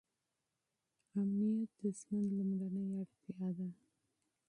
امنیت د ژوند لومړنۍ اړتیا ده.